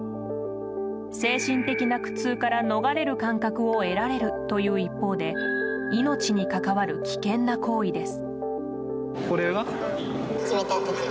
精神的な苦痛から逃れる感覚を得られるという一方で命にかかわる危険な行為です。